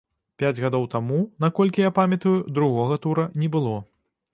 Пяць гадоў таму, наколькі я памятаю, другога тура не было.